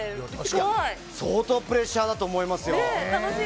相当プレッシャーだと思いますよ。